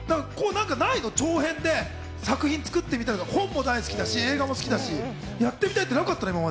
長編で作品作ってみたりとか、本も好きだし、映画も好きだし、やってみたいとかなかったの？